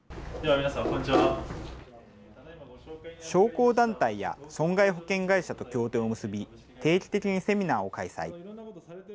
商工団体や損害保険会社と協定を結び、定期的にセミナーを開催。